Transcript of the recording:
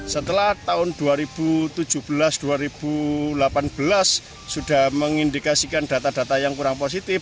setelah tahun dua ribu tujuh belas dua ribu delapan belas sudah mengindikasikan data data yang kurang positif